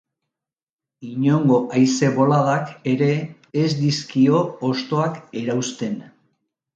Inongo haize boladak ere ez dizkio hostoak erauzten.